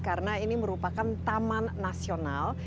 karena ini merupakan taman nasional